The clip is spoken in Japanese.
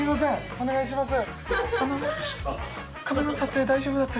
お願いします。